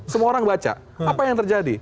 semua orang baca apa yang terjadi